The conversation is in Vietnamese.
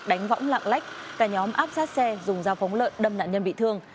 đánh võng lạng lách cả nhóm áp sát xe dùng dao phóng lợn đâm nạn nhân bị thương